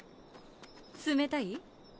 冷たい？